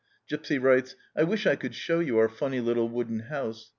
Gipsy writes :" I wish I could show you our funny little wooden house.